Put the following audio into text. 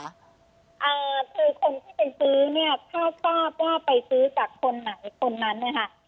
คือคนที่เป็นซื้อถ้าขอบว่าไปซื้อกับคนไหนคนนั้นนะคะ